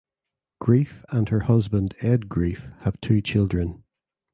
Greef and her husband Ed Greef have two children.